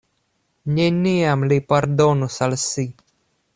Neniam li pardonus al si.